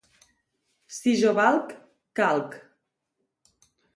Si jo valc, calc.